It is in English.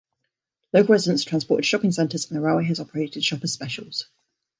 Local residents are transported to shopping centres and the railway has operated 'shoppers specials'.